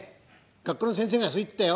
学校の先生がそう言ってたよ。